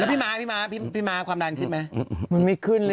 แล้วพี่ม้าพี่ม้าพี่ม้าความดันขึ้นไหมมันไม่ขึ้นเลยอ่ะ